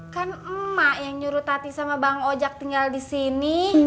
kan emak yang nyuruh tati sama bang ojak tinggal di sini